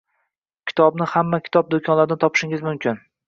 Kitobni hamma kitob do‘konlaridan topishingiz mumkin